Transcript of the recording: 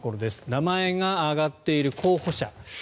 名前が挙がっている候補者